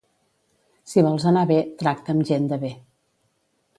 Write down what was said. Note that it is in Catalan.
Si vols anar bé, tracta amb gent de bé.